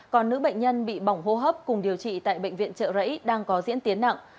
còn nữ bệnh nhân bị bỏng hô hấp cùng điều trị tại bệnh viện trợ rẫy đang có diễn tiến nặng